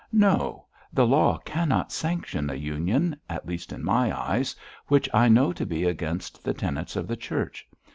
'No. The law cannot sanction a union at least in my eyes which I know to be against the tenets of the Church.